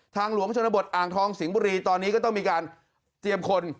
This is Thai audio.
หลวงชนบทอ่างทองสิงห์บุรีตอนนี้ก็ต้องมีการเตรียมคน